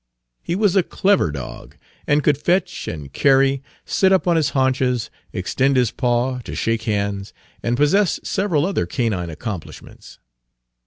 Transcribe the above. He was a clever dog, and could fetch and carry, sit up on his haunches, extend his paw to shake hands, and possessed several other canine accomplishments.